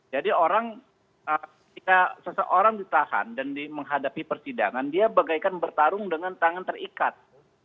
jadi orang jika seseorang ditahan dan menghadapi persidangan dia bagaikan bertarung dengan tangan terikat